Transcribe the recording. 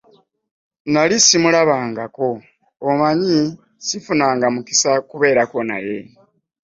Nali simulabangako, omanyi, sifunanga mukisa kubeerako naye.